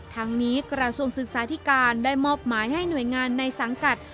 ทั้งนี้กระทรวงศึกษาธิการได้มอบหมายให้หน่วยงานในสังกัด